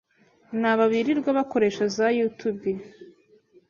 n’aba birirwa bakoresha za YouTube,